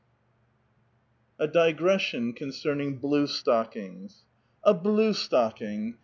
A DIGRESSION CONCEllNING BLUE STOCKINGS. ''A BLUE stocking!